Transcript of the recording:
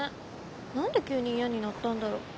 何で急に嫌になったんだろ。